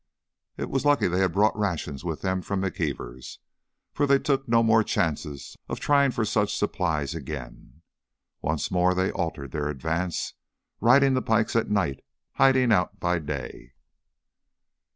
It was lucky they had brought rations with them from McKeever's, for they took no more chances of trying for such supplies again. Once more they altered their advance, riding the pikes at night, hiding out by day.